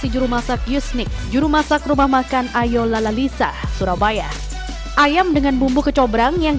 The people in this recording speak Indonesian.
juru masak rumah makan ayolalalisa surabaya